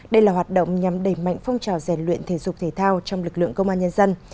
đây là hoạt động nhằm đẩy mạnh phong trào rèn luyện thể dục thể thao trong lực lượng công an nhân dân